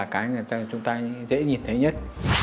chúng ta dễ nhìn thấy nhất